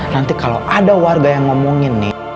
nanti kalau ada warga yang ngomongin nih